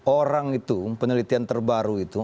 orang itu penelitian terbaru itu